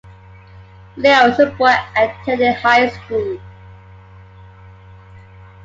Leo is a boy attending high school.